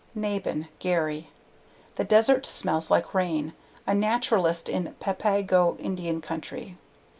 Nabhan, Gary. _The Desert Smells like Rain: A Naturalist in Papago Indian Country.